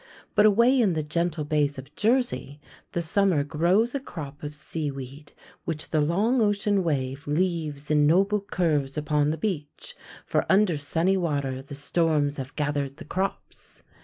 But away in the gentle bays of Jersey the summer grows a crop of seaweed which the long ocean wave leaves in noble curves upon the beach; for under sunny water the storms have gathered the crops.